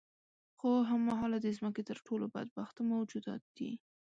خو هم مهاله د ځمکې تر ټولو بدبخته موجودات دي.